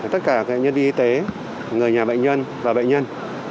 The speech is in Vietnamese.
tất cả nhân viên y tế người nhà bệnh nhân và bệnh nhân